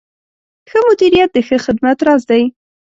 ښه مدیریت د ښه خدمت راز دی.